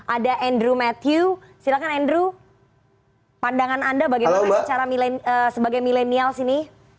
ada andrew matthew silakan andrew pandangan anda bagaimana sebagai milenial sini